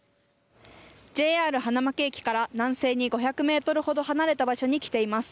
ＪＲ花巻駅から南西に５００メートルほど離れた場所に来ています。